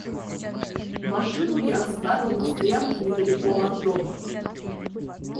Машину я оставил на стоянке недалеко от дома.